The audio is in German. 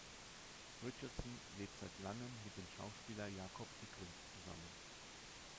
Richardson lebt seit langem mit dem Schauspieler Jakob Eklund zusammen.